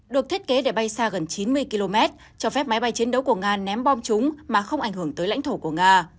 được thiết kế để bay xa gần chín mươi km cho phép máy bay chiến đấu của nga ném bom chúng mà không ảnh hưởng tới lãnh thổ của nga